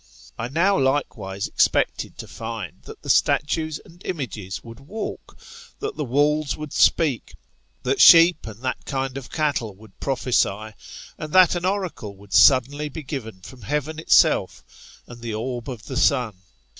I now likewise expected to find that the statues and images would walk ; that the walls would speak ; that sheep and that kind of cattle would prophesy ; and that an oracle would suddenly be given from heaven itself and the orb of the sun.